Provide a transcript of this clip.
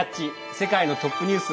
世界のトップニュース」。